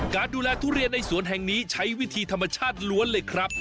การดูแลทุเรียนในสวนแห่งนี้ใช้วิธีธรรมชาติล้วนเลยครับ